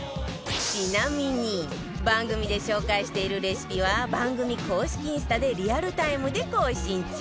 ちなみに番組で紹介しているレシピは番組公式インスタでリアルタイムで更新中